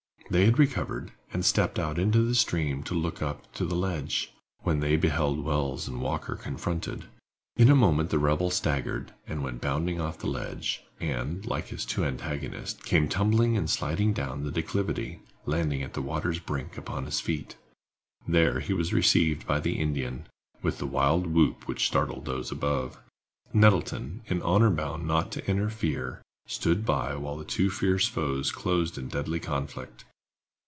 They had recovered, and stepped out into the stream to look up to the ledge, when they beheld Wells and Walker confronted. In a moment the rebel staggered, and went bounding off the ledge, and, like his two antagonists, came tumbling and sliding down the declivity, landing at the water's brink upon his feet. There he was received by the Indian, with the wild whoop which startled those above. Nettleton, in honor bound not to interfere, stood by while the two fierce foes closed in deadly conflict.